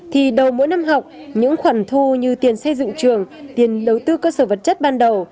thì đầu mỗi năm học những khoản thu như tiền xây dựng trường tiền đầu tư cơ sở vật chất ban đầu